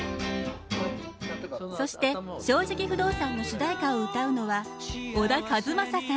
そして「正直不動産」の主題歌を歌うのは小田和正さん。